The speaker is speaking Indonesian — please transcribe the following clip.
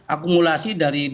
akumulasi dari dana